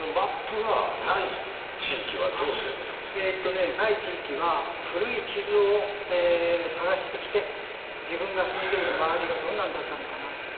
これでもない地域は古い地図を探してきて自分が住んでいる周りはどんなんだったのかなって。